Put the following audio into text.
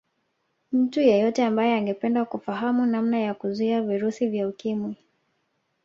Mtu yeyote ambaye angependa kufahamu namna ya kuzuia virusi vya Ukimwi